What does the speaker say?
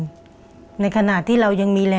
หนูอยากให้พ่อกับแม่หายเหนื่อยครับ